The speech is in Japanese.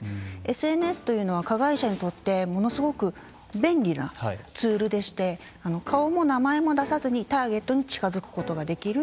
ＳＮＳというのは加害者にとってものすごく便利なツールでして顔も名前も出さずにターゲットに近づくことができる。